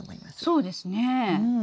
そうですね。